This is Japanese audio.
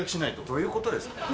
どういうことですか？